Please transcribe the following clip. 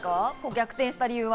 逆転した理由。